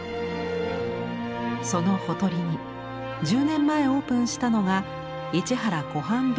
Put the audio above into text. そのほとりに１０年前オープンしたのが市原湖畔美術館。